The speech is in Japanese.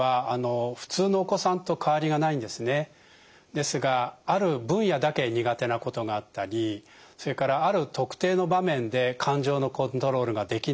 ですがある分野だけ苦手なことがあったりそれからある特定の場面で感情のコントロールができなくなる。